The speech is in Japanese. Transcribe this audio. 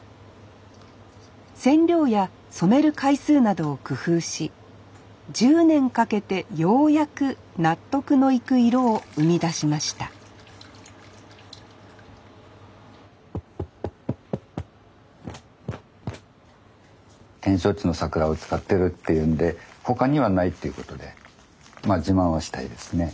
染料や染める回数などを工夫し１０年かけてようやく納得のいく色を生み出しました展勝地の桜を使ってるっていうんで他にはないっていうことでまあ自慢はしたいですね。